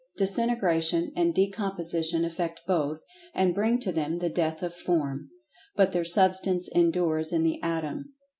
Disintegration and decomposition affect both, and bring to them the death of form. But their substance endures in the Atom.